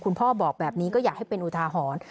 พ่อบอกแบบนี้ก็อยากให้เป็นอุทาหรณ์